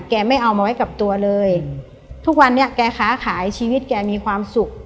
ไม่เอามาไว้กับตัวเลยทุกวันนี้แกค้าขายชีวิตแกมีความสุข